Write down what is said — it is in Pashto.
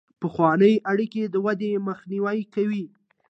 پخوانۍ اړیکې د ودې مخنیوی کوي.